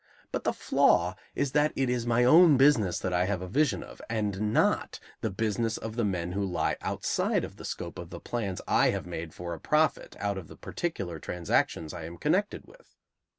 But the flaw is that it is my own business that I have a vision of, and not the business of the men who lie outside of the scope of the plans I have made for a profit out of the particular transactions I am connected with.